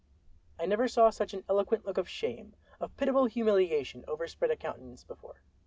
I never saw such an eloquent look of shame, of pitiable humiliation, overspread a countenance before.